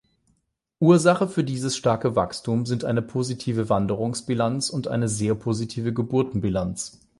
Ursache für dieses starke Wachstum sind eine positive Wanderungsbilanz und eine sehr positive Geburtenbilanz.